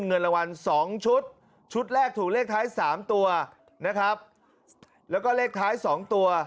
เงินรางวัลสองชุดชุดแรกถูกเลขท้ายสามตัวนะครับแล้วก็เลขท้ายสองตัว